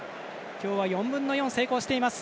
今日は４分の４、成功しています。